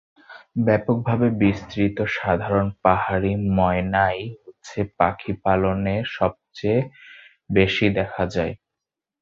ব্যাপকভাবে বিস্তৃত সাধারণ পাহাড়ি ময়নাই হচ্ছে পাখিপালনে সবচেয়ে বেশি দেখা যায়।